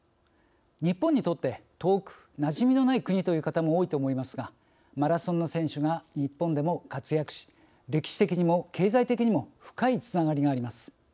日本にとって遠くなじみのない国という方も多いと思いますがマラソンの選手が日本でも活躍し歴史的にも経済的にも深いつながりがあります。